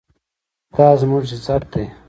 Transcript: دا زموږ عزت دی؟